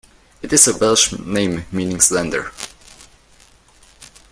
It is a Welsh name meaning slender.